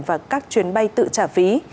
và các chuyến bay tự trả phí